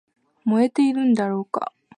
燃えているんだろうか